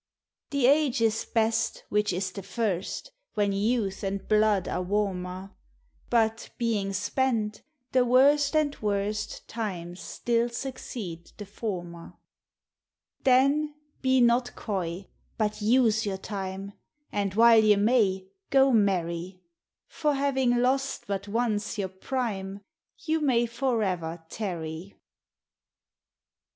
The age is best which is the first. When youth and blood are warmer; Iiut being spent, the worst and worst Times still succeed the former. Then be not cov, but use vour time, And, while yc may, go marry; Digitized by Google POEMS OF HOME. For having lost but once your prime, You may forever tarry.